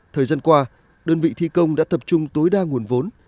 thời gian qua đơn vị thi công đã tập trung tối đa nguồn vốn